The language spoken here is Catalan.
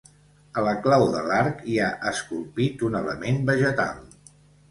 A la clau de l'arc hi ha esculpit un element vegetal.